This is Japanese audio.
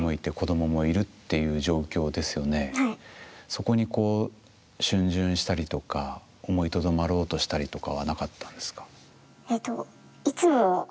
そこにこうしゅん巡したりとか思いとどまろうとしたりとかはなかったんですか？